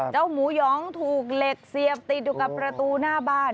หมูหยองถูกเหล็กเสียบติดอยู่กับประตูหน้าบ้าน